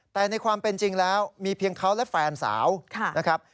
แต่ในความเป็นจริงแล้วมีเพียงเขาและแฟนสาวนะครับ